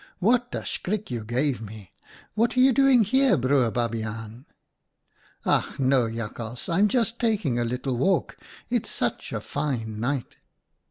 'What a schrik you gave me ! What are you doing here, Broer Babiaan ?'"' Ach no ! Jakhals, I'm just taking a little walk. It's such a fine night.'